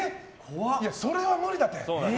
それは無理だって！